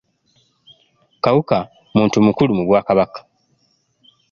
Kawuka muntu mukulu mu Bwakabaka.